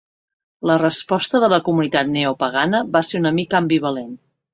La resposta de la comunitat neopagana va ser una mica ambivalent.